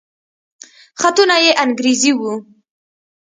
خطونه يې انګريزي وو.